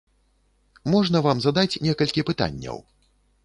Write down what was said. Можна вам задаць некалькі пытанняў?